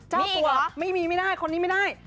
มีตัวไม่มีไม่ได้คนนี้ไม่ได้